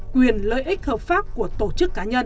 quyền lợi ích hợp pháp của tổ chức cá nhân